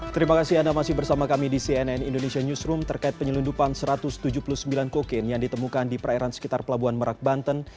terima kasih anda masih bersama kami di cnn indonesia newsroom terkait penyelundupan satu ratus tujuh puluh sembilan kokain yang ditemukan di perairan sekitar pelabuhan merak banten